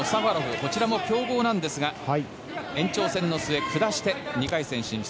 こちらも強豪なんですが延長戦の末に下して２回戦進出。